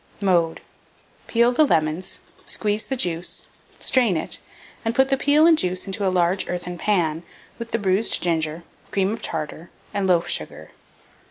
Mode. Peel the lemons, squeeze the juice, strain it, and put the peel and juice into a large earthen pan, with the bruised ginger, cream of tartar, and loaf sugar.